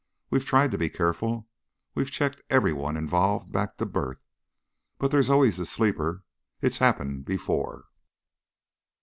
We've tried to be careful. We've checked everyone involved back to birth. But there's always the sleeper. It's happened before."